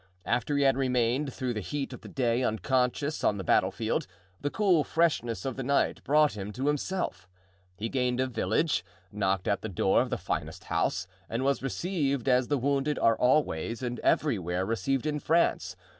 After he had remained through the heat of the day unconscious on the battle field, the cool freshness of the night brought him to himself. He gained a village, knocked at the door of the finest house and was received as the wounded are always and everywhere received in France.